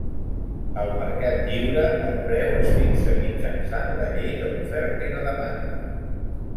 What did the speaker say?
Al mercat lliure, el preu es fixa mitjançant la llei de l'oferta i la demanda.